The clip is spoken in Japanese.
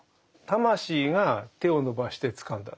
魂が手を伸ばしてつかんだ。